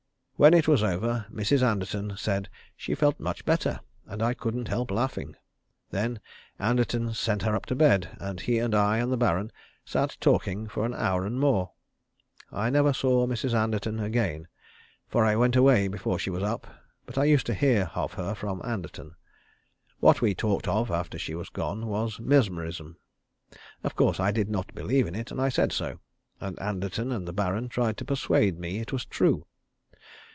When it was over, Mrs. Anderton said she felt much better, and I couldn't help laughing; then Anderton sent her up to bed, and he and I and the Baron sat talking for an hour and more. I never saw Mrs. Anderton again, for I went away before she was up, but I used to hear of her from Anderton. What we talked of after she was gone was mesmerism. Of course I did not believe in it, and I said so; and Anderton and the Baron tried to persuade me it was true.